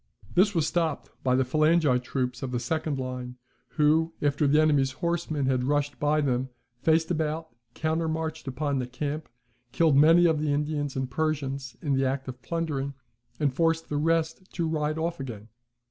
This was stopped by the phalangite troops of the second line, who, after the enemy's horsemen had rushed by them, faced about, countermarched upon the camp, killed many of the Indians and Persians in the act of plundering, and forced the rest to ride off again.